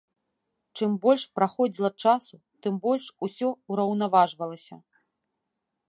Чым больш праходзіла часу, тым больш усё ўраўнаважвалася.